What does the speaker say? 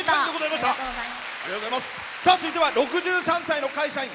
続いては６３歳の会社員。